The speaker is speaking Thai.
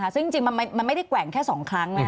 ซึ่งจริงมันไม่ได้แกว่งแค่๒ครั้ง